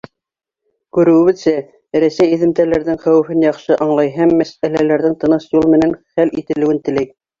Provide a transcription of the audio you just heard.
Күреүебеҙсә, Рәсәй эҙемтәләрҙең хәүефен яҡшы аңлай һәм мәсьәләләрҙең тыныс юл менән хәл ителеүен теләй.